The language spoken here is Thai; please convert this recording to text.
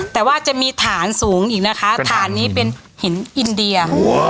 แต่ว่าจะมีฐานสูงอีกนะคะฐานนี้เป็นหินอินเดีย